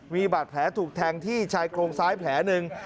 มีบาดแผลถูกแทงที่ชายโครงซ้ายแผลหนึ่ง